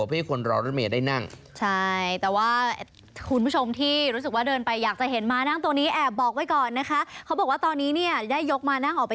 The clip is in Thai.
เพื่อให้คนรอรถเมย์ได้นั่ง